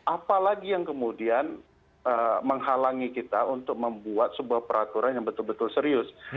apalagi yang kemudian menghalangi kita untuk membuat sebuah peraturan yang betul betul serius